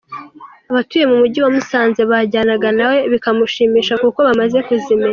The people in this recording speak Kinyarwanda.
Abatuye mu Mujyi wa Musanze bajyanaga na we bikamushimisha kuko bamaze kuzimenya.